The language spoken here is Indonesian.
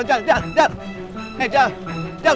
jal jal jal jal